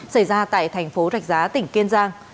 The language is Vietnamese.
xảy ra tại thành phố rạch giá tỉnh kiên giang